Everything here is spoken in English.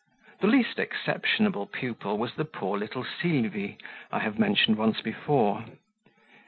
The least exceptionable pupil was the poor little Sylvie I have mentioned once before.